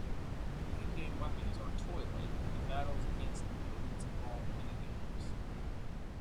The in-game weapons are toy-like and the battles against opponents involve minigames.